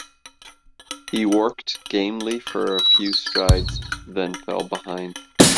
He worked gamely for a few strides, then fell behind.